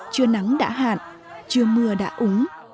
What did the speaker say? trưa nắng đã hạn trưa mưa đã úng